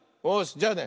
じゃあね